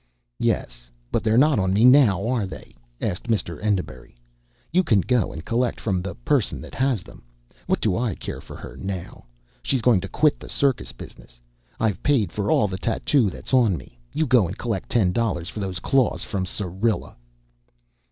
"Yes, but they're not on me now, are they?" asked Mr. Enderbury, "You can go and collect from the person that has them. What do I care for her now? She's going to quit the circus business. I've paid for all the tattoo that's on me; you go and collect ten dollars for those claws from Syrilla."